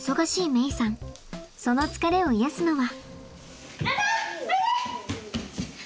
その疲れを癒やすのは。